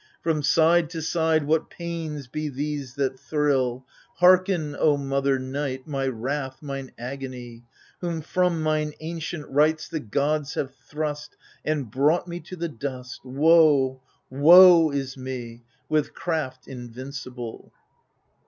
From side to side what pains be these that thrill ? Hearken, O mother Night, my wrath, mine agony ! Whom from mine ancient rights the gods have thrust, And brought me to the dust — Woe, woe is me !— with craft invincible.